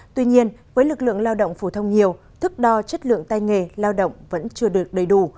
tuy nhiên với lực lượng lao động phổ thông nhiều thức đo chất lượng tay nghề lao động vẫn chưa được đầy đủ